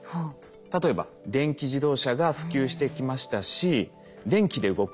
例えば電気自動車が普及してきましたし電気で動く空